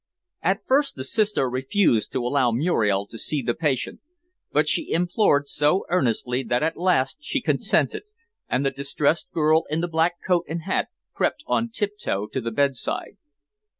At first the sister refused to allow Muriel to see the patient, but she implored so earnestly that at last she consented, and the distressed girl in the black coat and hat crept on tiptoe to the bedside.